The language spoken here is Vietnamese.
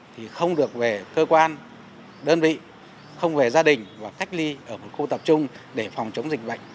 thì không được về cơ quan đơn vị không về gia đình và cách ly ở một khu tập trung để phòng chống dịch bệnh